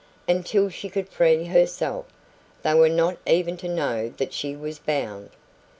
Until she could free herself, they were not even to know that she was bound.